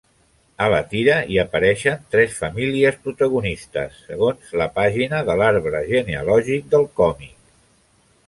A la tira hi apareixen tres famílies protagonistes, segons la pàgina de l'arbre genealògic del còmic.